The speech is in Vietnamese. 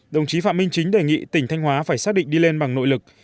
đồng chí phạm minh chính đề nghị tỉnh thanh hóa phải xác định đi lên bằng nội lực